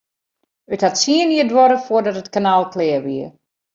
It hat tsien jier duorre foardat it kanaal klear wie.